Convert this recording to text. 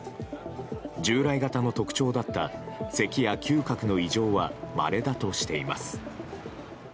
従来型の特徴だったせきや嗅覚の異常はまれだとしています。